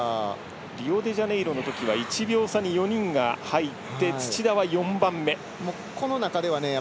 リオデジャネイロのときは１秒差に４人が入って土田は４番目。